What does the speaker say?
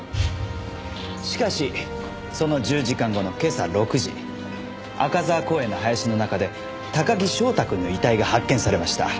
しかしその１０時間後の今朝６時赤沢公園の林の中で高木翔太くんの遺体が発見されました。